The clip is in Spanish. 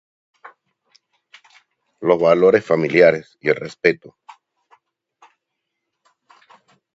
Los valores familiares, y el respeto.